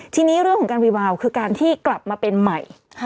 ทีนี้เรื่องของการวีวาวคือการที่กลับมาเป็นใหม่